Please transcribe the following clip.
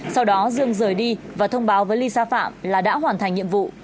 sau đó dương rời đi và thông báo với lisa phạm là đã hoàn thành nhiệm vụ